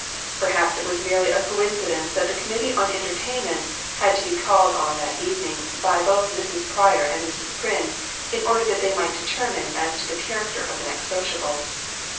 Perhaps it was merely a coincidence that the committee on entertainments had to be called on that evening by both Mrs. Pryor and Mrs. Pryn, in order that they might determine as to the char acter of the next sociable.